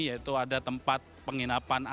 yaitu ada tempat tempat yang tidak bisa dikawal